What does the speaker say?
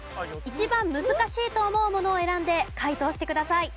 一番難しいと思うものを選んで解答してください。